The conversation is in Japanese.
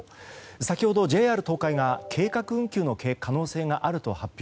先ほどＪＲ東海が計画運休の可能性があると発表。